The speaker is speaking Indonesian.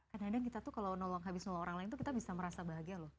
kadang kadang kita tuh kalau nolong habis nolong orang lain tuh kita bisa merasa bahagia loh